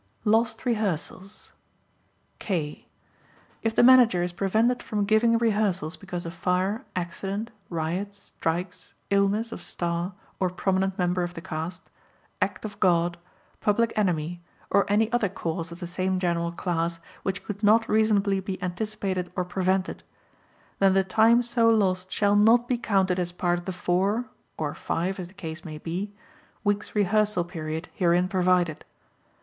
Lost Rehearsals (K) If the Manager is prevented from giving rehearsals because of fire, accident, riot, strikes, illness of star or prominent member of the cast, act of God, public enemy or any other cause of the same general class which could not reasonably be anticipated or prevented, then the time so lost shall not be counted as part of the four (or five, as the case may be) weeks' rehearsal period herein provided.